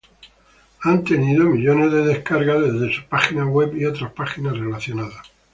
Ellos han tenido millones de descargas desde su página web y otras páginas relacionadas.